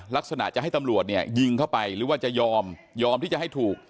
ลักษณะจะให้ตำรวจยิงเข้าไปหรือว่ายอมที่จะให้ถูก